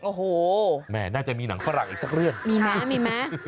โอ้โหแม่น่าจะมีหนังฝรั่งอีกสักเรื่องมีไหมมีไหม